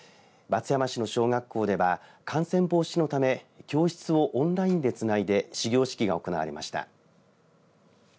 松山市の小学校では感染防止のため教室をオンラインでつないで始業式が行われました。